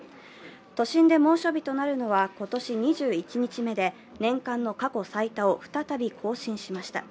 都心で猛暑日となるのは今年２１日目で、年間の過去最多を再び更新しました。